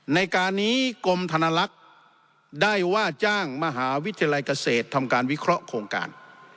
ในการนี้กรมธนลักษณ์ได้ว่าจ้างมหาวิทยาลัยเกษตรทำการวิเคราะห์โครงการ